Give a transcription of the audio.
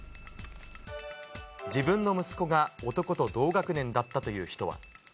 自分の息子が男と同学年だったという人は。